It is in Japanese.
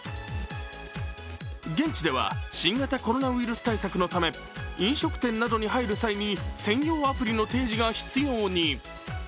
現地では新型コロナウイルス対策のため飲食店などに入る際に専用アプリの提示が必要に。